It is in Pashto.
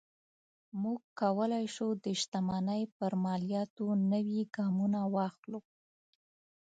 موږ کولی شو د شتمنۍ پر مالیاتو نوي ګامونه واخلو.